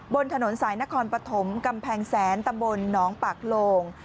บนถนนสายนครปฐมกำแพงแสนตำบลหนองปากโลง